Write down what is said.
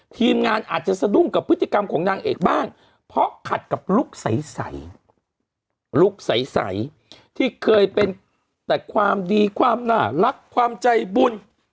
ทีมงานอาจจะสะดุ้งกับพฤติกรรมของนางเอกบ้างเพราะขัดกับลุคใสลุคใสที่เคยเป็นแต่ความดีความน่ารักความใจบุญ